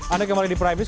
anda kembali di prime news